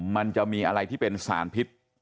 มันจะมีอะไรที่เป็นสารพิษ